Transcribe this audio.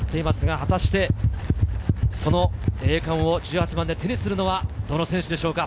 果たして、その栄冠を１８番で手にするのはどの選手でしょうか。